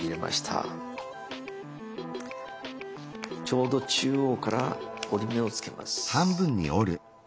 ちょうど中央から折り目をつけます。